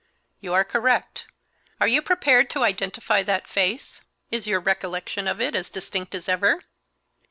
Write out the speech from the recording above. "You are correct. Are you prepared to identify that face? Is your recollection of it as distinct as ever?"